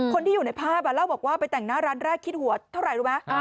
คนที่อยู่ในภาพเล่าบอกว่าไปแต่งหน้าร้านแรกคิดหัวเท่าไหร่รู้ไหม